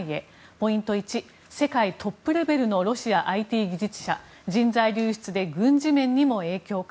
ポイント１、世界トップレベルのロシアＩＴ技術者人材流出で軍事面にも影響か。